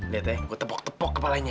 lihat ya gue tepok tepok kepalanya